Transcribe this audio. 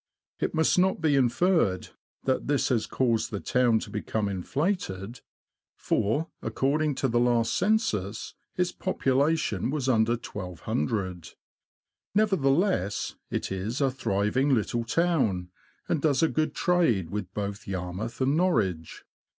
It must not be inferred that this has caused the town to become inflated, for, according to the last census, its popula tion was under 1,200. Nevertheless, it is a thriving little town, and does a good trade with both Yar mouth and Norwich.